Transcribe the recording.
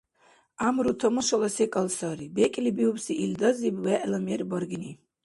ГӀямру — тамашала секӀал сари, бекӀлибиубси — илдазиб вегӀла мер баргни.